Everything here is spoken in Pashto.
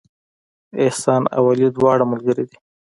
احسان او علي دواړه ملګري دي